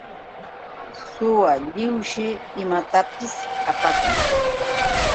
Suwa lliwshi imatapis apakun.